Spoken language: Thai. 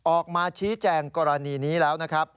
ออกมาชี้แจงกรณีนี้แล้ว